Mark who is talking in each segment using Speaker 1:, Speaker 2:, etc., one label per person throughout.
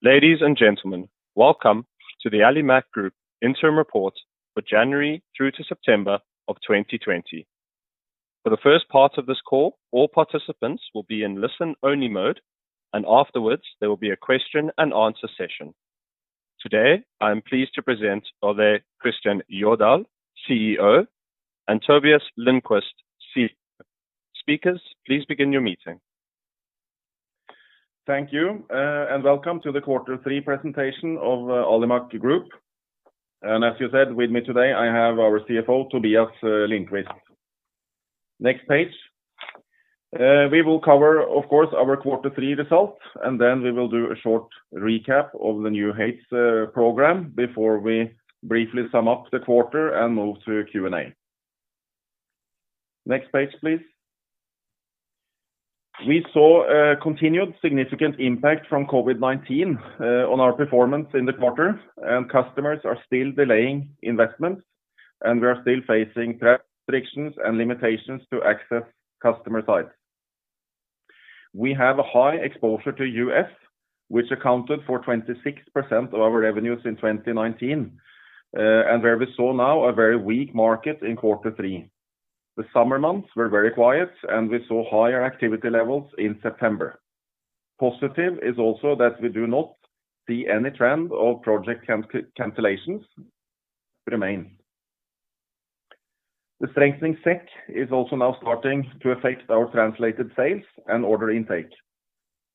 Speaker 1: Ladies and gentlemen, welcome to the Alimak Group interim report for January through to September of 2020. For the first part of this call, all participants will be in listen-only mode, and afterwards, there will be a question and answer session. Today, I am pleased to present Ole Kristian Jødahl, CEO, and Tobias Lindquist, CFO. Speakers, please begin your meeting.
Speaker 2: Thank you, and welcome to the quarter three presentation of Alimak Group. As you said, with me today, I have our CFO, Tobias Lindquist. Next page. We will cover, of course, our quarter three results, and then we will do a short recap of the New Heights program before we briefly sum up the quarter and move to Q&A. Next page, please. We saw a continued significant impact from COVID-19 on our performance in the quarter, and customers are still delaying investments, and we are still facing travel restrictions and limitations to access customer sites. We have a high exposure to U.S., which accounted for 26% of our revenues in 2019, and where we saw now a very weak market in quarter three. The summer months were very quiet, and we saw higher activity levels in September. Positive is also that we do not see any trend of project cancellations remain. The strengthening SEK is also now starting to affect our translated sales and order intake.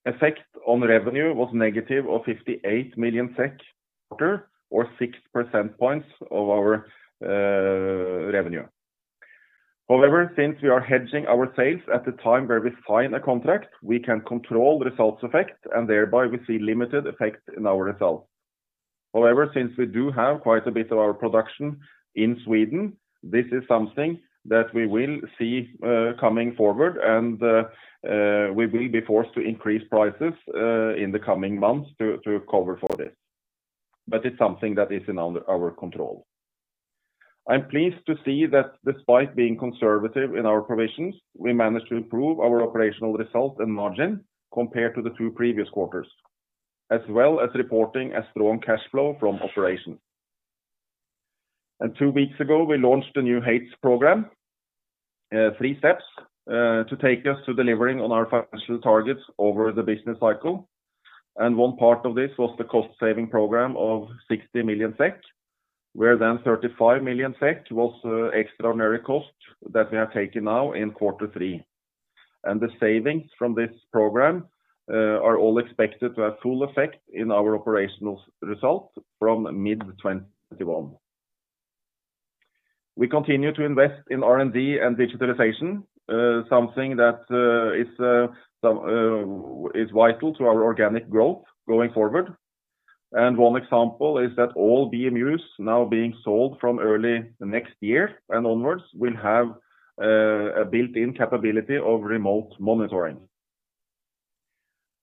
Speaker 2: Effect on revenue was negative of 58 million SEK, or 6% of our revenue. Since we are hedging our sales at the time where we sign a contract, we can control results effect, and thereby we see limited effect in our results. Since we do have quite a bit of our production in Sweden, this is something that we will see coming forward and we will be forced to increase prices in the coming months to cover for this. It's something that is under our control. I'm pleased to see that despite being conservative in our provisions, we managed to improve our operational results and margin compared to the two previous quarters, as well as reporting a strong cash flow from operations. Two weeks ago, we launched a New Heights program, three steps to take us to delivering on our financial targets over the business cycle. One part of this was the cost-saving program of 60 million SEK, where then 35 million SEK was extraordinary cost that we have taken now in quarter three. The savings from this program are all expected to have full effect in our operational results from mid-2021. We continue to invest in R&D and digitalization, something that is vital to our organic growth going forward. One example is that all BMUs now being sold from early next year and onwards will have a built-in capability of remote monitoring.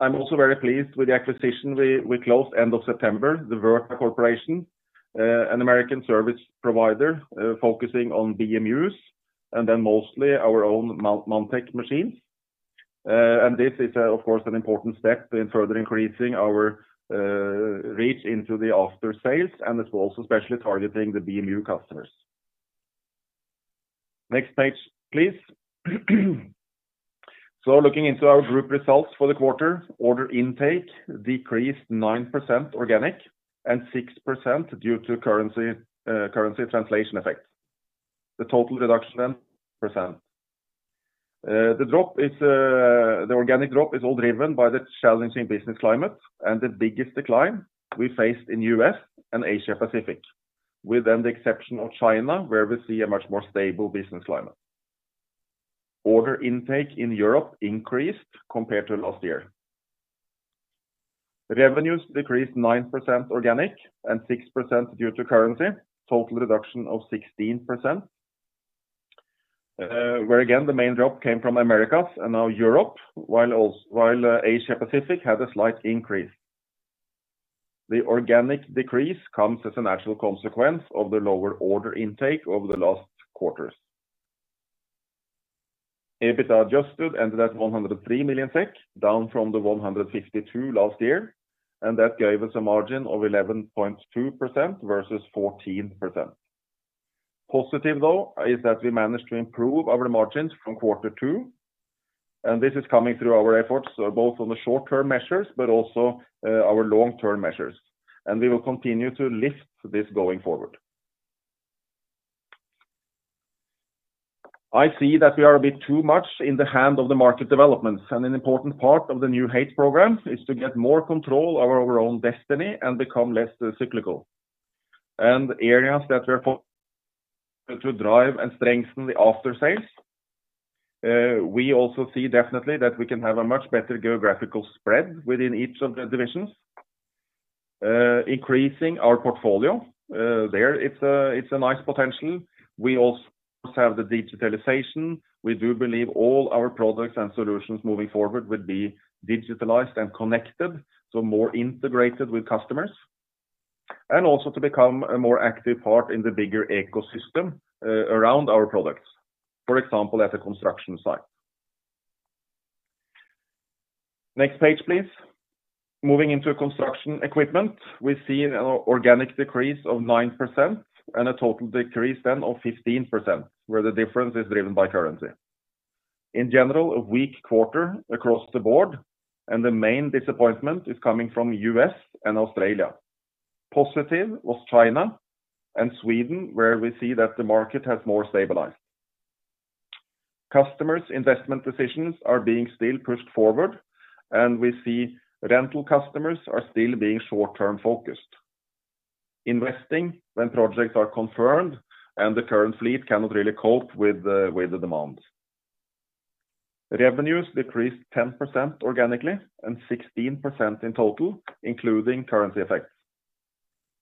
Speaker 2: I'm also very pleased with the acquisition we closed end of September, the Verta Corporation, a U.S. service provider focusing on BMUs, and then mostly our own Manntech machines. This is of course, an important step in further increasing our reach into the aftersales and it's also specially targeting the BMU customers. Next page, please. Looking into our group results for the quarter, order intake decreased 9% organic and 6% due to currency translation effect. The total reduction, 9%. The organic drop is all driven by the challenging business climate and the biggest decline we faced in U.S. and Asia Pacific, with then the exception of China, where we see a much more stable business climate. Order intake in Europe increased compared to last year. Revenues decreased 9% organic and 6% due to currency, total reduction of 16%, where again, the main drop came from Americas and now Europe, while Asia Pacific had a slight increase. EBITDA adjusted ended at 103 million SEK, down from 152 milion last year, and that gave us a margin of 11.2% versus 14%. Positive, though, is that we managed to improve our margins from quarter two, and this is coming through our efforts both on the short-term measures, but also our long-term measures. We will continue to lift this going forward. I see that we are a bit too much in the hand of the market developments, and an important part of the New Heights program is to get more control over our own destiny and become less cyclical. Areas that we are to drive and strengthen the aftersales. We also see definitely that we can have a much better geographical spread within each of the divisions. Increasing our portfolio there, it's a nice potential. We also have the digitalization. We do believe all our products and solutions moving forward will be digitalized and connected, so more integrated with customers. Also to become a more active part in the bigger ecosystem around our products, for example, at a construction site. Next page, please. Moving into construction equipment, we see an organic decrease of 9% and a total decrease then of 15%, where the difference is driven by currency. In general, a weak quarter across the board, and the main disappointment is coming from U.S. and Australia. Positive was China and Sweden, where we see that the market has more stabilized. Customers' investment decisions are being still pushed forward, and we see rental customers are still being short-term focused, investing when projects are confirmed and the current fleet cannot really cope with the demand. Revenues decreased 10% organically and 16% in total, including currency effects.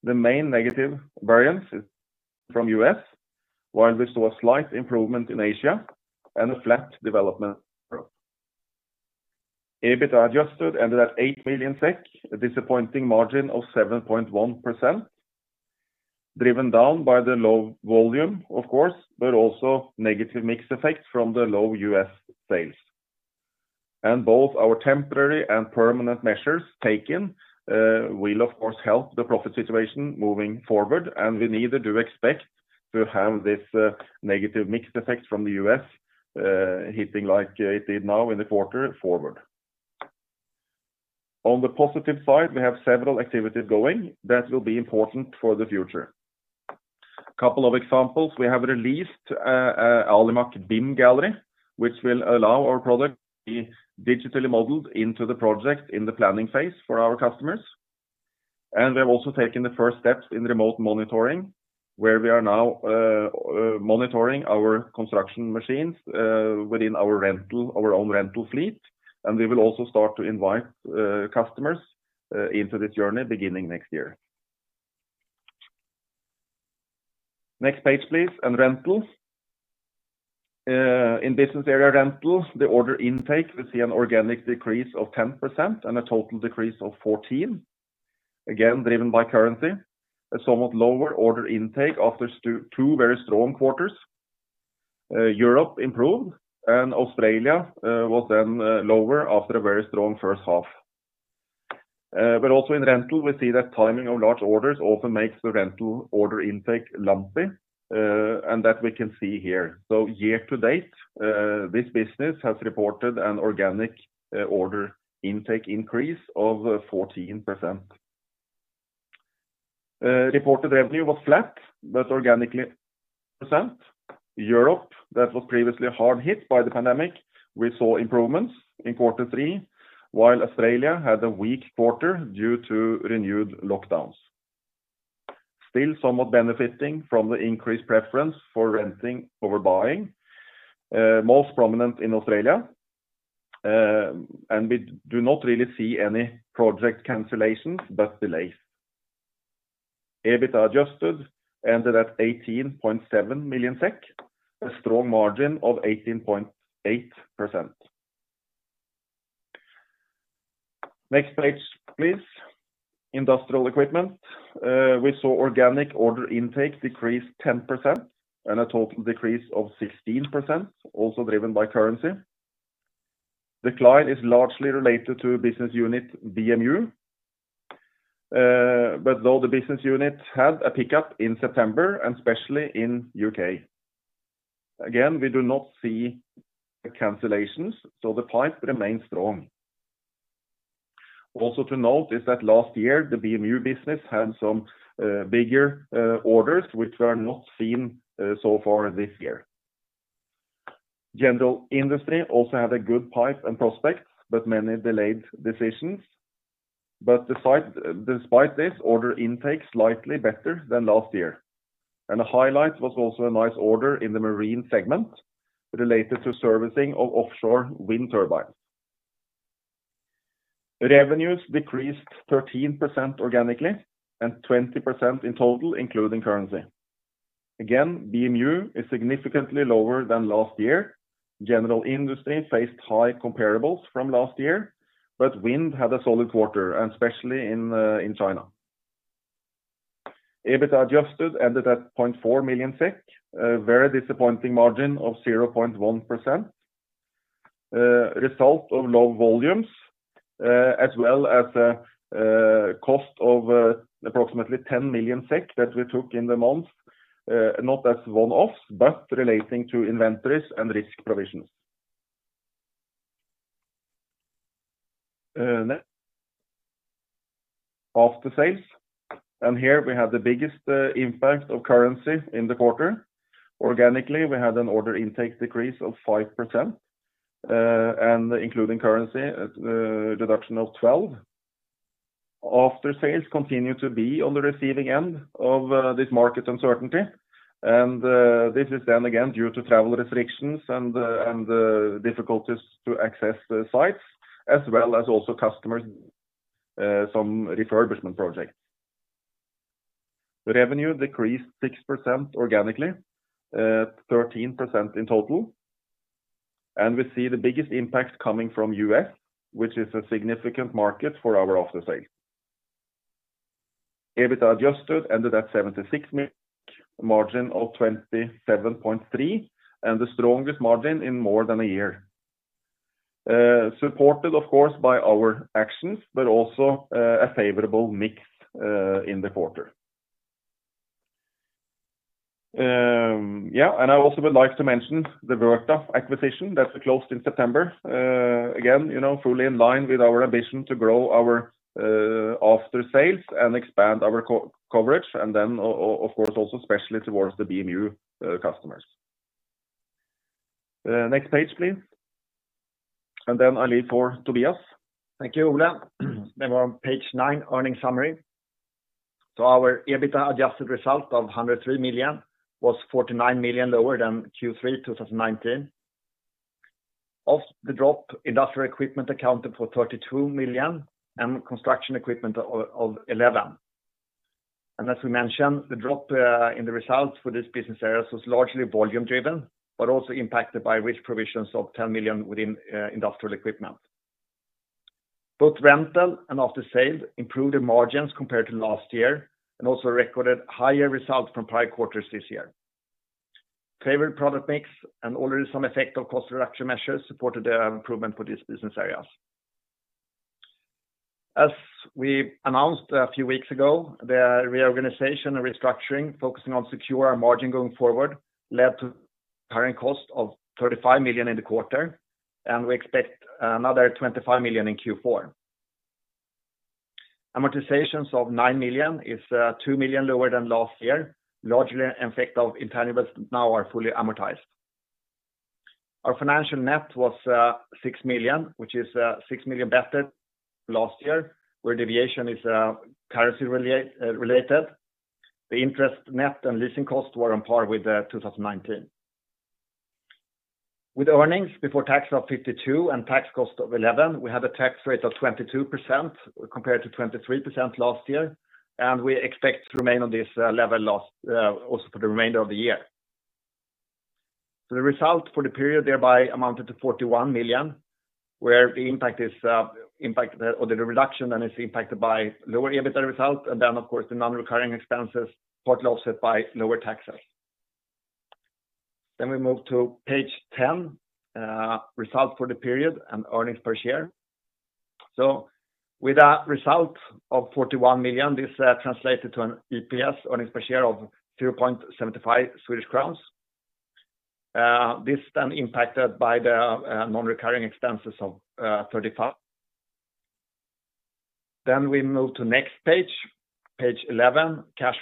Speaker 2: The main negative variance is from U.S., while we saw a slight improvement in Asia and a flat development in Europe. EBITDA adjusted ended at 8 million SEK, a disappointing margin of 7.1%, driven down by the low volume, of course, but also negative mix effects from the low U.S. sales. Both our temporary and permanent measures taken will, of course, help the profit situation moving forward, and we neither do expect to have this negative mix effect from the U.S. hitting like it did now in the quarter forward. On the positive side, we have several activities going that will be important for the future. Couple of examples, we have released Alimak BIM Gallery, which will allow our product to be digitally modeled into the project in the planning phase for our customers. We have also taken the first steps in remote monitoring, where we are now monitoring our construction machines within our own rental fleet, and we will also start to invite customers into this journey beginning next year. Next page, please. Rentals. In business area rentals, the order intake, we see an organic decrease of 10% and a total decrease of 14%, again, driven by currency. A somewhat lower order intake after two very strong quarters. Europe improved and Australia was then lower after a very strong first half. Also in rental, we see that timing of large orders often makes the rental order intake lumpy, and that we can see here. Year to date, this business has reported an organic order intake increase of 14%. Reported revenue was flat, but organically, up 2%. Europe, that was previously hard hit by the pandemic, we saw improvements in quarter three, while Australia had a weak quarter due to renewed lockdowns. Still somewhat benefiting from the increased preference for renting over buying, most prominent in Australia, and we do not really see any project cancellations, but delays. EBITDA adjusted ended at 18.7 million SEK, a strong margin of 18.8%. Next page, please. Industrial equipment. We saw organic order intake decrease 10% and a total decrease of 16%, also driven by currency. Decline is largely related to business unit BMU, but though the business unit had a pickup in September and especially in U.K. Again, we do not see cancellations, so the pipe remains strong. Also to note is that last year, the BMU business had some bigger orders, which were not seen so far this year. General industry also had a good pipe and prospects, but many delayed decisions. Despite this, order intake slightly better than last year. The highlight was also a nice order in the marine segment related to servicing of offshore wind turbines. Revenues decreased 13% organically and 20% in total, including currency. Again, BMU is significantly lower than last year. General industry faced high comparables from last year, but wind had a solid quarter, especially in China. EBITDA adjusted ended at 0.4 million SEK, a very disappointing margin of 0.1%. Result of low volumes as well as cost of approximately 10 million SEK that we took in the month, not as one-offs, but relating to inventories and risk provisions. After sales, here we have the biggest impact of currency in the quarter. Organically, we had an order intake decrease of 5%, and including currency, a reduction of 12%. After sales continue to be on the receiving end of this market uncertainty. This is then again due to travel restrictions and difficulties to access sites, as well as also customers some refurbishment projects. The revenue decreased 6% organically, 13% in total. We see the biggest impact coming from U.S., which is a significant market for our aftersale. EBITDA adjusted ended at 76 million, a margin of 27.3%, and the strongest margin in more than a year. Supported, of course, by our actions, but also a favorable mix in the quarter. I also would like to mention the Verta acquisition that closed in September. Fully in line with our ambition to grow our aftersales and expand our coverage, of course, also especially towards the BMU customers. Next page, please. I leave for Tobias.
Speaker 3: Thank you, Ole. We're on page nine, earnings summary. Our EBITDA adjusted result of 103 million was 49 million lower than Q3 2019. Of the drop, industrial equipment accounted for 32 million and construction equipment of 11 million. As we mentioned, the drop in the results for these business areas was largely volume driven, but also impacted by risk provisions of 10 million within industrial equipment. Both rental and aftersales improved the margins compared to last year, and also recorded higher results from prior quarters this year. Favorable product mix and already some effect of cost reduction measures supported the improvement for these business areas. As we announced a few weeks ago, the reorganization and restructuring focusing on secure our margin going forward led to tie-in cost of 35 million in the quarter, and we expect another 25 million in Q4. Amortizations of 9 million is 2 million lower than last year, largely an effect of intangibles that now are fully amortized. Our financial net was 6 million, which is 6 million better last year, where deviation is currency related. The interest net and leasing costs were on par with 2019. With earnings before tax of 52 million and tax cost of 11 million, we had a tax rate of 22% compared to 23% last year. We expect to remain on this level also for the remainder of the year. The result for the period thereby amounted to 41 million, where the reduction then is impacted by lower EBITDA results and then, of course, the non-recurring expenses, partly offset by lower taxes. We move to page 10, results for the period and earnings per share. With a result of 41 million, this translated to an EPS, earnings per share, of 2.75 Swedish crowns. This impacted by the non-recurring expenses of 35 million. We move to next page 11, cash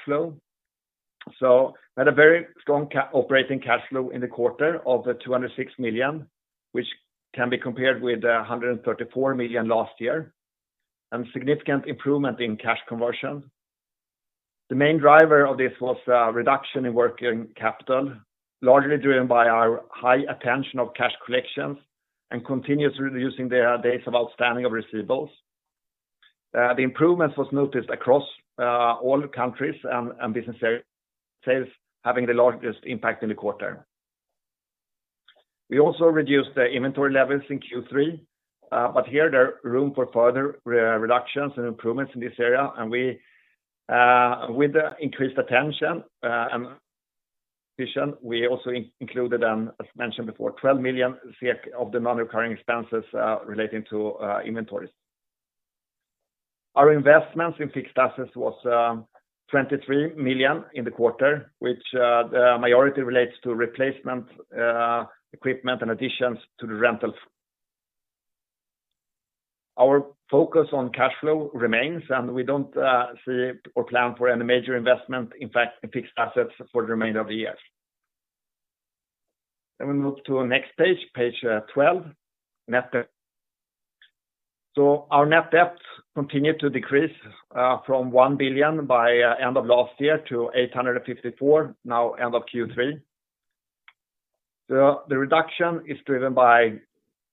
Speaker 3: flow. We had a very strong operating cash flow in the quarter of 206 million, which can be compared with 134 million last year, and significant improvement in cash conversion. The main driver of this was a reduction in working capital, largely driven by our high attention of cash collections and continuously reducing the days of outstanding of receivables. The improvements was noticed across all countries and business sales having the largest impact in the quarter. We also reduced the inventory levels in Q3, but here there are room for further reductions and improvements in this area. With the increased attention and addition, we also included, as mentioned before, 12 million of the non-recurring expenses relating to inventories. Our investments in fixed assets was 23 million in the quarter, which the majority relates to replacement equipment and additions to the rental. Our focus on cash flow remains. We don't see or plan for any major investment, in fact, in fixed assets for the remainder of the year. We move to the next page 12, net debt. Our net debt continued to decrease from 1 billion by end of last year to 854 million now end of Q3. The reduction is driven by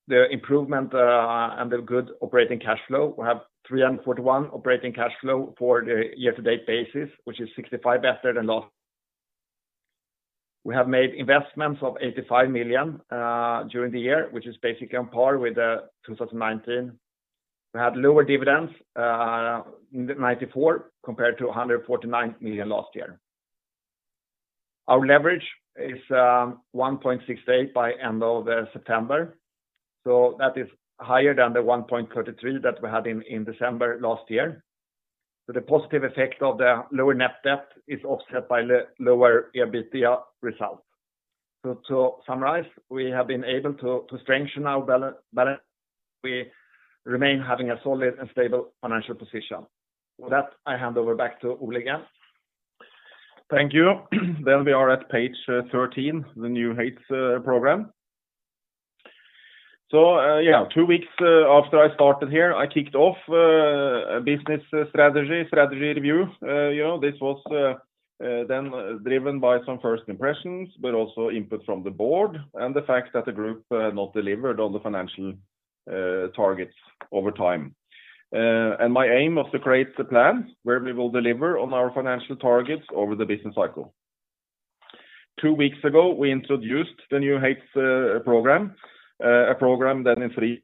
Speaker 3: the improvement and the good operating cash flow. We have 341 million operating cash flow for the year-to-date basis, which is 65 milion better than last. We have made investments of 85 million during the year, which is basically on par with 2019. We had lower dividends, 94 million compared to 149 million last year. Our leverage is 1.68 by end of September, that is higher than the 1.33 that we had in December last year. The positive effect of the lower net debt is offset by lower EBITDA results. To summarize, we have been able to strengthen our balance sheet. We remain having a solid and stable financial position. With that, I hand over back to Ole again.
Speaker 2: Thank you. We are at page 13, the New Heights Program. Two weeks after I started here, I kicked off a business strategy review. This was then driven by some first impressions, but also input from the board and the fact that the group had not delivered on the financial targets over time. My aim is to create a plan where we will deliver on our financial targets over the business cycle. Two weeks ago, we introduced the New Heights Program, a program done in three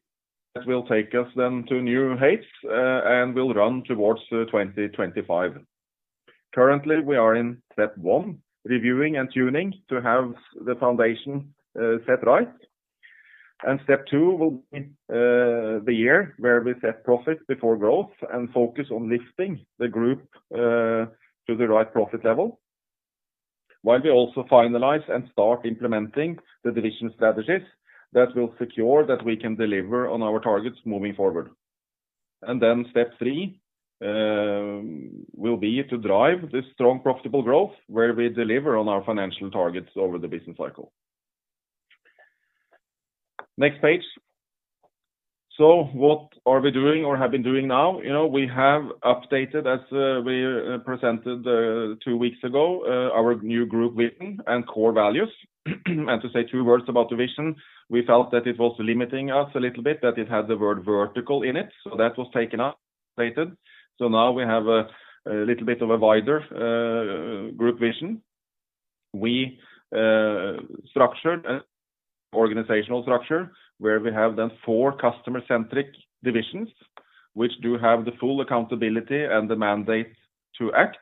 Speaker 2: steps will take us then to new heights and will run towards 2025. Currently, we are in step one, reviewing and tuning to have the foundation set right. Step two will be the year where we set profit before growth and focus on lifting the group to the right profit level, while we also finalize and start implementing the division strategies that will secure that we can deliver on our targets moving forward. Step three will be to drive this strong, profitable growth where we deliver on our financial targets over the business cycle. Next page. What are we doing or have been doing now? We have updated, as we presented two weeks ago, our new group vision and core values. To say two words about the vision, we felt that it was limiting us a little bit, that it had the word vertical in it, so that was taken out, updated. Now we have a little bit of a wider group vision. We structured an organizational structure where we have four customer-centric divisions, which do have the full accountability and the mandate to act.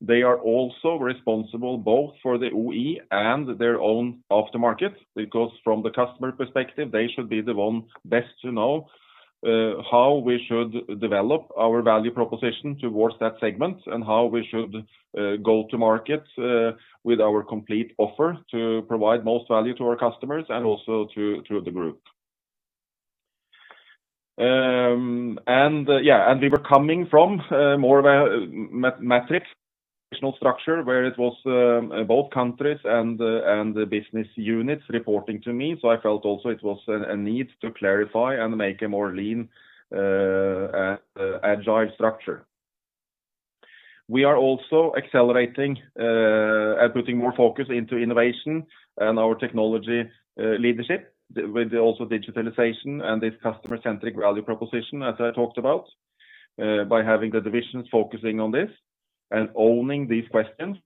Speaker 2: They are also responsible both for the OE and their own aftermarket, because from the customer perspective, they should be the one best to know how we should develop our value proposition towards that segment and how we should go to market with our complete offer to provide most value to our customers and also to the Group. We were coming from more of a matrix organizational structure where it was both countries and the business units reporting to me, I felt also it was a need to clarify and make a more lean, agile structure. We are also accelerating and putting more focus into innovation and our technology leadership with also digitalization and this customer-centric value proposition, as I talked about, by having the divisions focusing on this and owning these questions.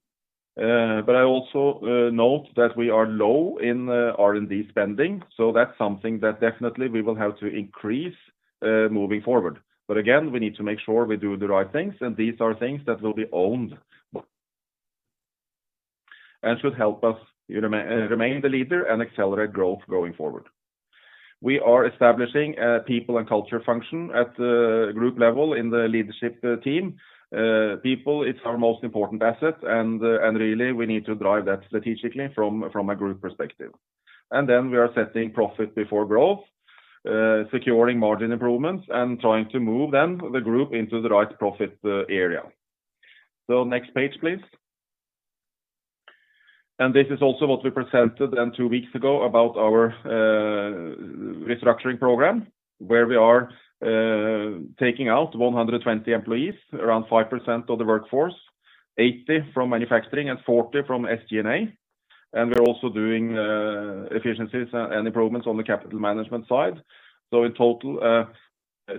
Speaker 2: I also note that we are low in R&D spending, so that's something that definitely we will have to increase moving forward. Again, we need to make sure we do the right things, and these are things that will be owned and should help us remain the leader and accelerate growth going forward. We are establishing a people and culture function at the group level in the leadership team. People, it's our most important asset, and really, we need to drive that strategically from a group perspective. Then we are setting profit before growth, securing margin improvements and trying to move then the group into the right profit area. next page, please. This is also what we presented then two weeks ago about our restructuring program, where we are taking out 120 employees, around 5% of the workforce, 80 from manufacturing and 40 from SG&A. We're also doing efficiencies and improvements on the capital management side. In total, a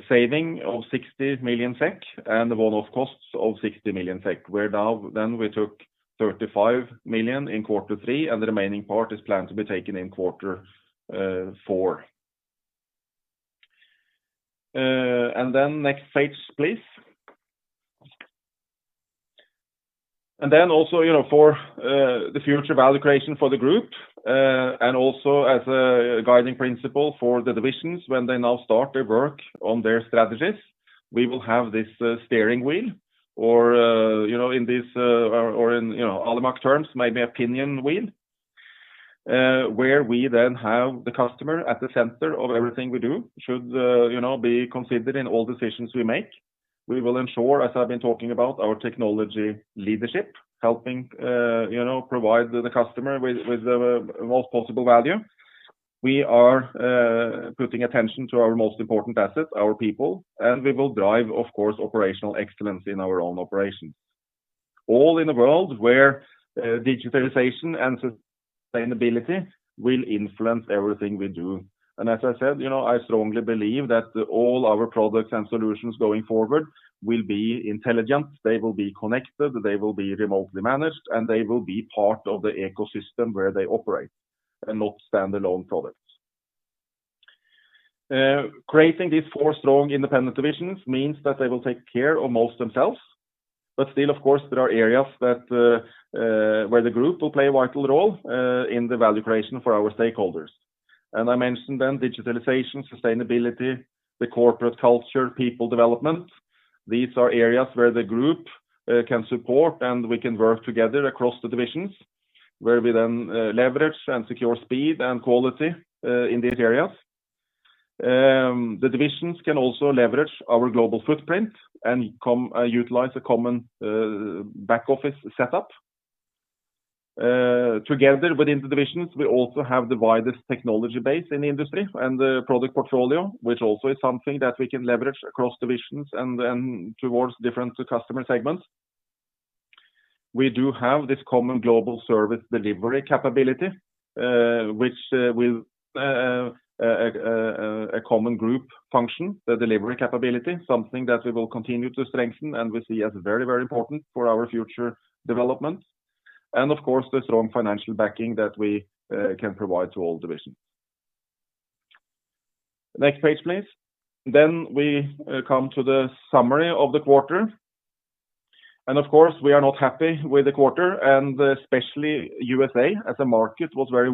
Speaker 2: saving of 60 million SEK and the one-off costs of 60 million SEK, where now then we took 35 million in quarter three, and the remaining part is planned to be taken in quarter four. next page, please. Also for the future value creation for the group, and also as a guiding principle for the divisions when they now start their work on their strategies, we will have this steering wheel. In Alimak terms, maybe a pinion wheel, where we then have the customer at the center of everything we do, should be considered in all decisions we make. We will ensure, as I've been talking about, our technology leadership, helping provide the customer with the most possible value. We are putting attention to our most important asset, our people, and we will drive, of course, operational excellence in our own operations. All in a world where digitalization and sustainability will influence everything we do. As I said, I strongly believe that all our products and solutions going forward will be intelligent, they will be connected, they will be remotely managed, and they will be part of the ecosystem where they operate and not standalone products. Creating these four strong independent divisions means that they will take care of most themselves. Still, of course, there are areas where the group will play a vital role in the value creation for our stakeholders. I mentioned then digitalization, sustainability, the corporate culture, people development. These are areas where the group can support, and we can work together across the divisions, where we then leverage and secure speed and quality in these areas. The divisions can also leverage our global footprint and utilize a common back office setup. Together within the divisions, we also have the widest technology base in the industry and the product portfolio, which also is something that we can leverage across divisions and then towards different customer segments. We do have this common global service delivery capability, which with a common group function, the delivery capability, something that we will continue to strengthen and we see as very important for our future development. Of course, the strong financial backing that we can provide to all divisions. Next page, please. We come to the summary of the quarter. Of course, we are not happy with the quarter, and especially U.S.A. as a market was very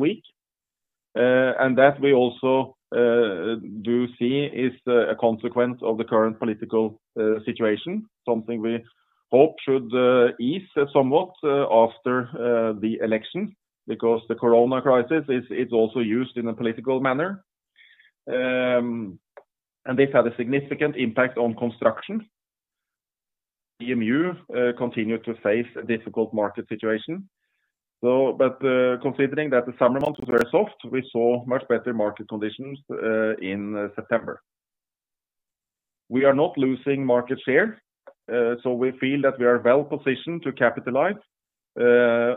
Speaker 2: weak. That we also do see is a consequence of the current political situation, something we hope should ease somewhat after the election, because the COVID-19 crisis is also used in a political manner, and this had a significant impact on construction. BMU continued to face a difficult market situation. Considering that the summer months was very soft, we saw much better market conditions in September. We are not losing market share, so we feel that we are well positioned to capitalize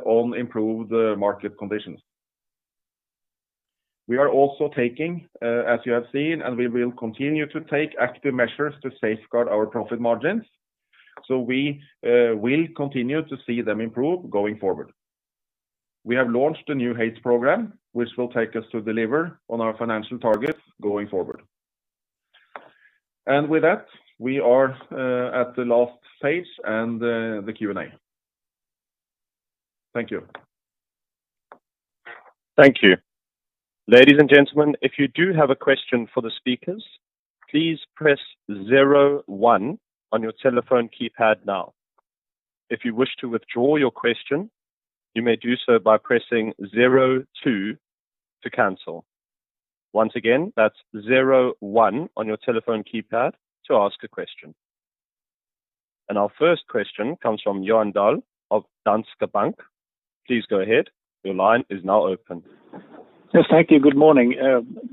Speaker 2: on improved market conditions. We are also taking, as you have seen, and we will continue to take active measures to safeguard our profit margins. We will continue to see them improve going forward. We have launched a New Heights program, which will take us to deliver on our financial targets going forward. With that, we are at the last page and the Q&A. Thank you.
Speaker 1: Thank you. Ladies and gentlemen, if you do have a question for the speakers, please press zero one on your telephone keypad now. If you wish to withdraw your question, you may do so by pressing zero two to cancel. Once again, that's zero one on your telephone keypad to ask a question. Our first question comes from Johan Dahl of Danske Bank. Please go ahead. Your line is now open.
Speaker 4: Yes, thank you. Good morning.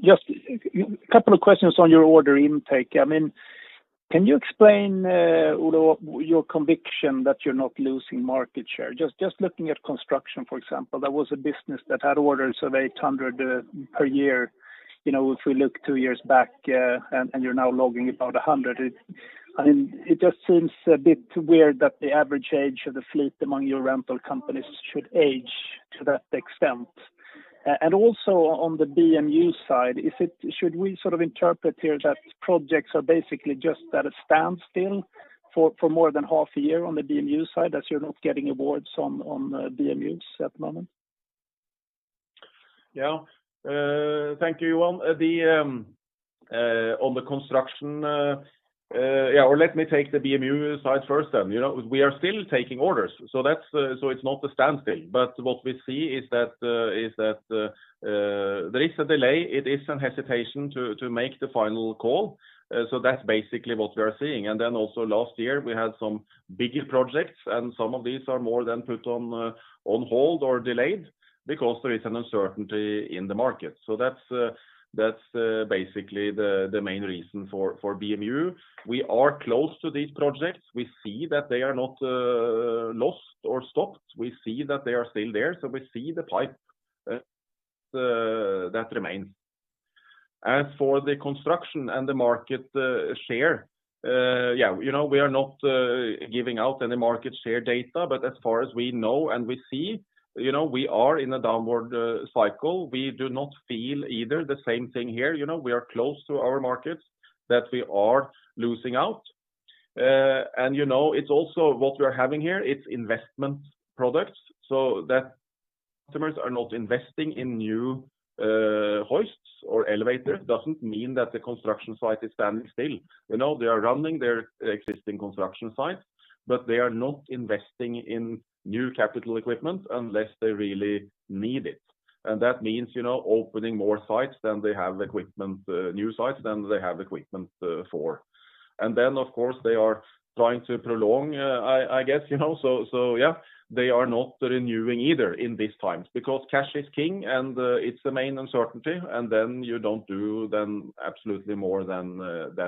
Speaker 4: Just a couple of questions on your order intake. Can you explain, Ole, your conviction that you're not losing market share? Just looking at construction, for example, that was a business that had orders of 800 per year, if we look two years back, and you're now logging about 100. It just seems a bit weird that the average age of the fleet among your rental companies should age to that extent. Also on the BMU side, should we interpret here that projects are basically just at a standstill for more than half a year on the BMU side, that you're not getting awards on BMUs at the moment?
Speaker 2: Yeah. Thank you, Johan. Let me take the BMU side first then. We are still taking orders, so it's not a standstill. What we see is that there is a delay. It is some hesitation to make the final call. That's basically what we are seeing. Then also last year, we had some bigger projects, and some of these are more than put on hold or delayed because there is an uncertainty in the market. That's basically the main reason for BMU. We are close to these projects. We see that they are not lost or stopped. We see that they are still there, so we see the pipe that remains. As for the construction and the market share, we are not giving out any market share data, but as far as we know and we see, we are in a downward cycle. We do not feel either the same thing here. We are close to our markets that we are losing out. It's also what we are having here, it's investment products. That customers are not investing in new hoists or elevators doesn't mean that the construction site is standing still. They are running their existing construction sites, but they are not investing in new capital equipment unless they really need it. That means opening more sites than they have equipment, new sites than they have equipment for. Then, of course, they are trying to prolong, I guess. Yeah, they are not renewing either in these times because cash is king and it's the main uncertainty, and then you don't do absolutely more than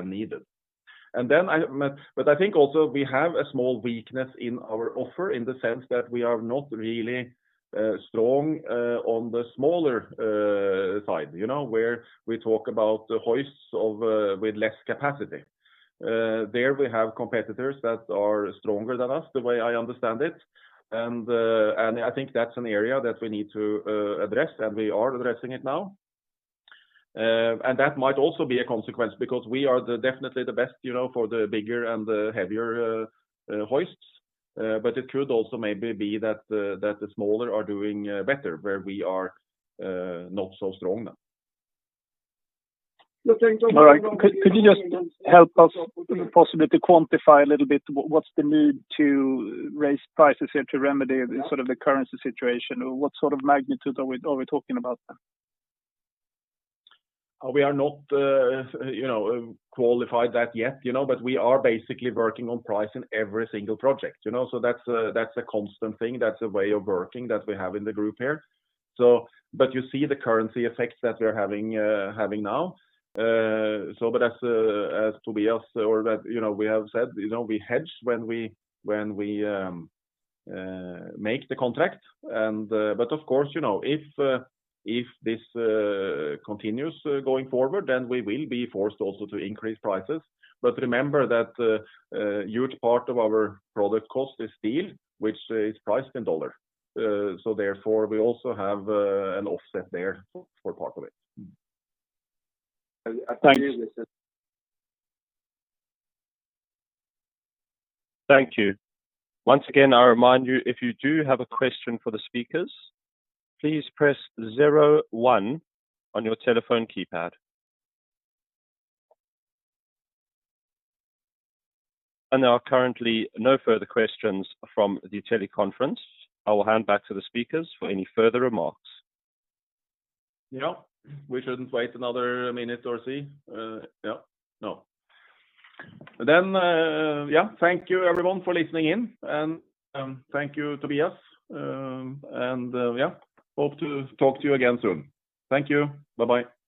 Speaker 2: needed. I think also we have a small weakness in our offer in the sense that we are not really strong on the smaller side, where we talk about hoists with less capacity. There we have competitors that are stronger than us, the way I understand it. I think that's an area that we need to address, and we are addressing it now. That might also be a consequence because we are definitely the best for the bigger and the heavier hoists. It could also maybe be that the smaller are doing better, where we are not so strong now.
Speaker 4: Could you just help us possibly to quantify a little bit what's the need to raise prices here to remedy the currency situation? What sort of magnitude are we talking about now?
Speaker 2: We are not qualified that yet. We are basically working on price in every single project. That's a constant thing. That's a way of working that we have in the Group here. You see the currency effects that we're having now. As Tobias or we have said, we hedge when we make the contract. Of course, if this continues going forward, then we will be forced also to increase prices. Remember that a huge part of our product cost is steel, which is priced in dollar. Therefore, we also have an offset there for part of it.
Speaker 4: Thanks.
Speaker 1: Thank you. Once again, I remind you, if you do have a question for the speakers, please press zero one on your telephone keypad. There are currently no further questions from the teleconference. I will hand back to the speakers for any further remarks.
Speaker 2: Yeah. We shouldn't wait another minute or see. Yeah, no. Yeah, thank you everyone for listening in, and thank you, Tobias. Yeah, hope to talk to you again soon. Thank you. Bye-bye